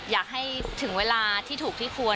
อยากให้ถึงเวลาที่ถูกที่ควร